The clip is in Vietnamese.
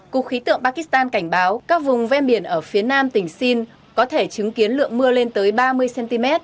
cục khí tượng pakistan cảnh báo các vùng ven biển ở phía nam tỉnh sin có thể chứng kiến lượng mưa lên tới ba mươi cm